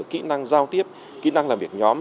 kỹ năng giao tiếp kỹ năng làm việc nhóm